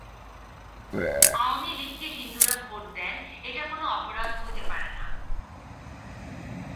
আওয়ামী লীগকে হিন্দুরা ভোট দেন, এটা কোনো অপরাধ হতে পারে না।